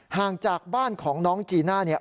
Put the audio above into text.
ห่างจากบ้านของน้องจีน่าเนี่ย